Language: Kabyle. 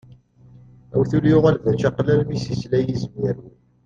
Awtul yuɣal d at čaqlala, mi s-yesla yizem yerwel.